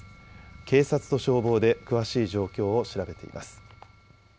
警察と消防で詳しい状況を調べています。